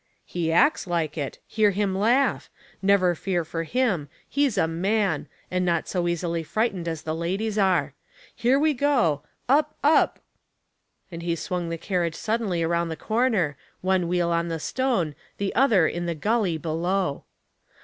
" He acts like it I Hear him laugh I Never fear for him. He's a man^ and not so easily 21 322 Household Puzzles, frightened as the ladies are. Here we go ; up, up !" and he swung the carriage suddenly around the corner, one wheel on the stone, the other in the gully below.